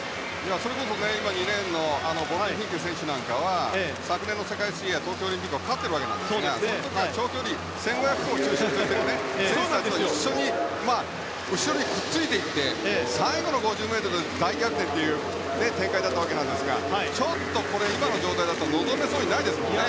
それこそ２レーンのボビー・フィンケ選手は昨年の世界水泳や東京オリンピックは勝っているんですがその時は長距離、１５００を中心としている選手たちの後ろにくっついていって最後の５０ｍで大逆転という展開だったんですがちょっと、今の状態だと望めそうにないですものね。